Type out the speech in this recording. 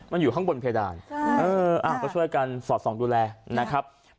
มันอยู่ข้างบนเพดานก็ช่วยกันสอดส่องดูแลนะครับ